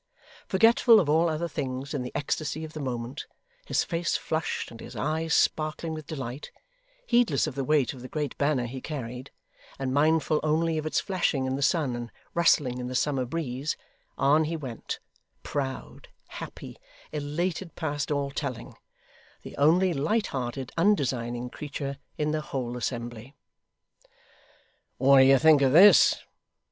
Forgetful of all other things in the ecstasy of the moment, his face flushed and his eyes sparkling with delight, heedless of the weight of the great banner he carried, and mindful only of its flashing in the sun and rustling in the summer breeze, on he went, proud, happy, elated past all telling: the only light hearted, undesigning creature, in the whole assembly. 'What do you think of this?